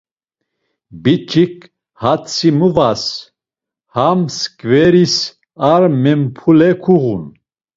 Biç̌ik hatzi mu vas, ham mskveris ar mempule kuğun.